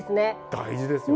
大事ですよ。